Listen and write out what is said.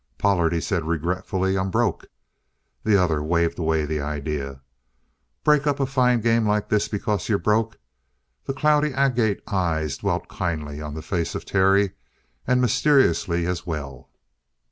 "Pollard," he said regretfully, "I'm broke." The other waved away the idea. "Break up a fine game like this because you're broke?" The cloudy agate eyes dwelt kindly on the face of Terry, and mysteriously as well.